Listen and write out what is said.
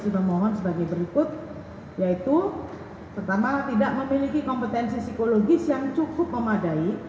kami mohon sebagai berikut yaitu pertama tidak memiliki kompetensi psikologis yang cukup memadai